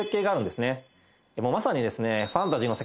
まさにですね。